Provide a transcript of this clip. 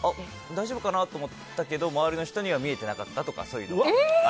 大丈夫かなと思ったけど周りの人には見えてなかったとか。